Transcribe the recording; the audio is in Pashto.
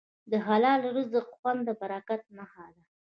د حلال رزق خوند د برکت نښه ده.